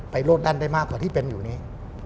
โรดด้านได้มากกว่าที่เป็นอยู่นี้